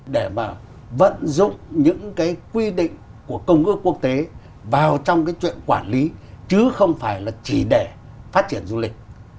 để mà vận dụng những cái quy định của công ước quốc tế vào trong cái chuyện quản lý chứ không phải là chỉ để phát triển du lịch